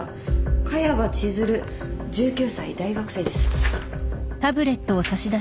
萱場千寿留１９歳大学生です。